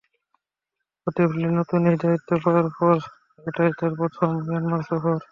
গত এপ্রিলে নতুন ওই দায়িত্ব পাওয়ার পর এটাই তাঁর প্রথম মিয়ানমার সফর।